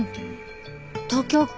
東京。